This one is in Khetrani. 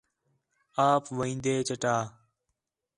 آپ وین٘دے چٹا